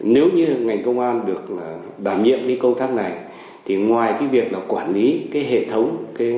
nếu như ngành công an được đảm nhiệm cái công tác này thì ngoài cái việc là quản lý cái hệ thống